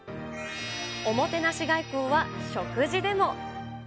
おもてなし外交は食事でも。